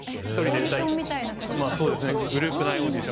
オーディションみたいなことが。